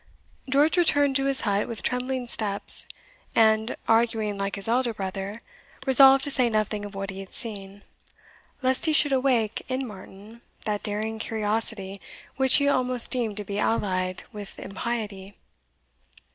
George returned to his hut with trembling steps, and, arguing like his elder brother, resolved to say nothing of what he had seen, lest he should awake in Martin that daring curiosity which he almost deemed to be allied with impiety.